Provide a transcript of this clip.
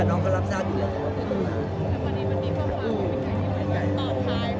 น้องเขารับทราบอยู่แล้ว